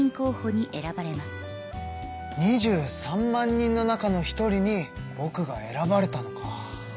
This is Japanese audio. ２３万人の中の一人にぼくが選ばれたのか。